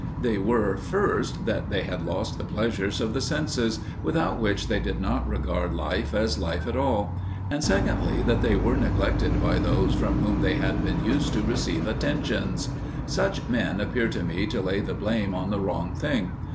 They were, first, that they had lost the pleasures of the senses, without which they did not regard life as life at all; and, secondly, that they were neglected by those from whom they had been used to receive attentions. Such men appear to me to lay the blame on the wrong thing.